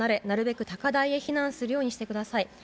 なるべく高台へ避難するようにしてください。